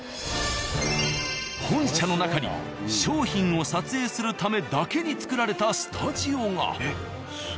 本社の中に商品を撮影するためだけに造られたスタジオが。